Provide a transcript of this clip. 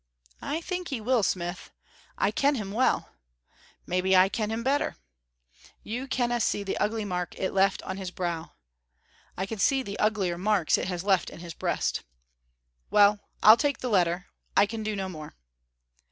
"I think he will, smith." "I ken him well." "Maybe I ken him better." "You canna see the ugly mark it left on his brow." "I can see the uglier marks it has left in his breast." "Well, I'll take the letter; I can do no more."